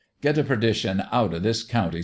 "' Get t' perdition out o' this county !